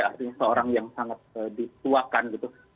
artinya seorang yang sangat dituakan gitu